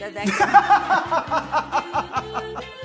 ハハハハ！